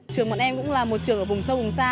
trường bọn em cũng là một trường ở vùng sâu vùng xa